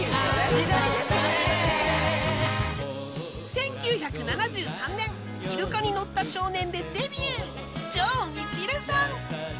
１９７３年『イルカにのった少年』でデビュー城みちるさん